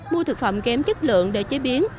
mua thực phẩm kém chất lượng để chế biến